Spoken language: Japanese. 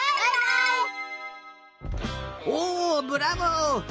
おブラボー！